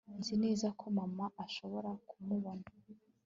nzi neza ko mama ashobora kumubona